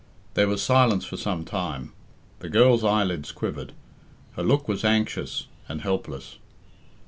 There was silence for some time. The girl's eyelids quivered; her look was anxious and helpless.